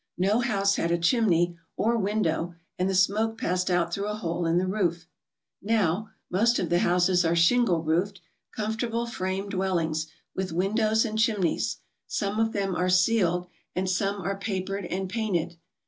No house had a chimney or window and the smoke passed out through a hole in the roof. Now, most of the houses are shingle roofed, com fortable frame dwellings with windows and chimneys. Some of them are ceiled, and some are papered and painted.